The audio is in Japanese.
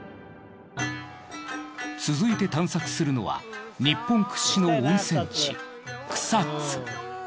続いて探索するのは日本屈指の温泉地草津。